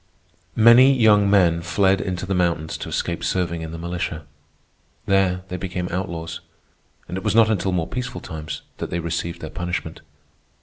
Many young men fled into the mountains to escape serving in the militia. There they became outlaws, and it was not until more peaceful times that they received their punishment.